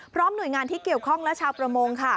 พร้อมหน่วยงานที่เกี่ยวข้องแล้วเช้าประมง